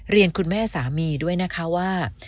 คุณแม่สามีด้วยนะคะว่า